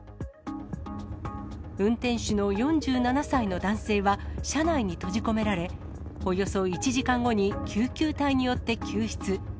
運転手の４７歳の男性は、車内に閉じ込められ、およそ１時間後に救急隊によって救出。